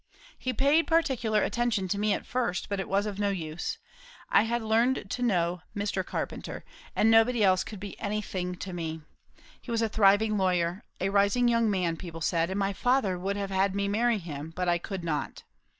He paid particular attention to me at first; but it was of no use; I had learned to know Mr. Carpenter, and nobody else could be anything to me. He was a thriving lawyer; a rising young man, people said; and my father would have had me marry him; but I could not.